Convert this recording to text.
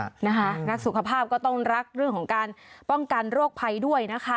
นักสุขภาพก็ต้องรักเรื่องของการป้องกันโรคภัยด้วยนะคะ